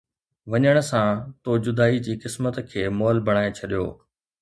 وڃڻ سان، تو جدائي جي قسمت کي مئل بڻائي ڇڏيو